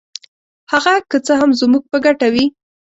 هغه که څه هم زموږ په ګټه وي.